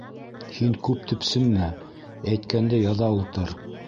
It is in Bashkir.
Һин күп төпсөнмә, әйткәнде яҙа ултыр.